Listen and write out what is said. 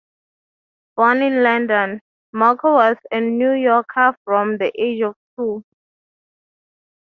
Born in London, Markow was a New Yorker from the age of two.